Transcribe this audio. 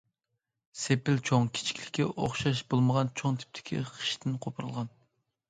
سېپىل چوڭ- كىچىكلىكى ئوخشاش بولمىغان چوڭ تىپتىكى خىشتىن قوپۇرۇلغان.